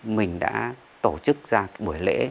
mình đã tổ chức ra buổi lễ